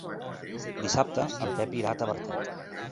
Dissabte en Pep irà a Tavertet.